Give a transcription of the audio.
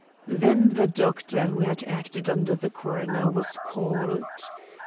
Then the doctor who had acted under the coroner was called.